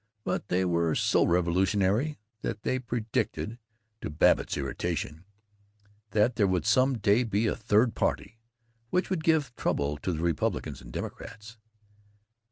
But they were so revolutionary that they predicted (to Babbitt's irritation) that there would some day be a Third Party which would give trouble to the Republicans and Democrats.